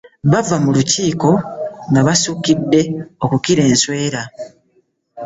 Bava mu lukiiko nga basuukidde okukira enswera.